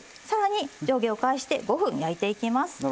さらに上下を返して５分焼いていきます。